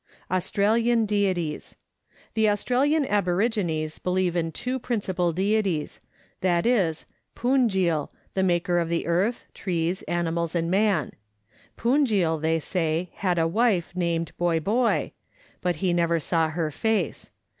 Australian Deities. The Australian aborigines believe in two principal Deities, viz.: Punjil, the maker of the earth, trees, animals, and man. Punjil, they say, had a wife named Boi Boi, but he never saw her face.